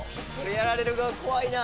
やられる側怖いな。